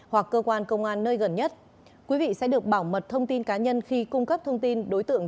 hoặc cơ quan công an nơi gần nhất quý vị sẽ được bảo mật thông tin cá nhân khi cung cấp thông tin đối tượng